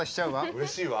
うれしいわ。